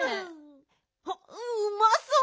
おっうまそう！